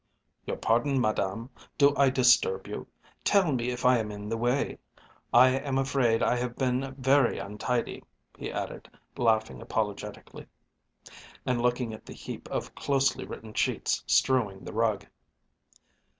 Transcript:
"Your pardon, Madame. Do I disturb you? Tell me if I am in the way. I am afraid I have been very untidy," he added, laughing apologetically, and looking at the heap of closely written sheets strewing the rug.